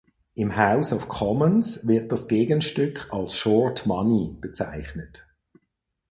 Im House of Commons wird das Gegenstück als Short Money bezeichnet.